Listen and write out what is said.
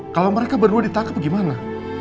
kalau mereka berdua ditangkap gimana